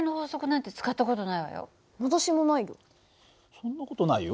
そんな事ないよ。